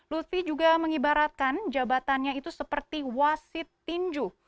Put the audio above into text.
lutfi juga mengibaratkan jabatannya itu seperti wasit tinju